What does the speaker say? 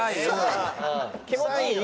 気持ちいい？